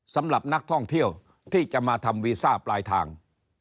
สำหรับนักท่องเที่ยวที่จะมาทำวีซ่าปลายทาง